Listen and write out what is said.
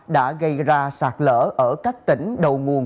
đã gây ra sạt lỡ ở các tỉnh đầu nguồn